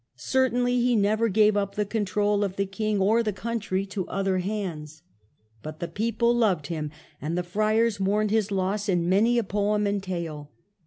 Certainly he never gave up the control of the king or the country to other hands. But the people loved him, and the friars mourned his loss in many a poem and tale.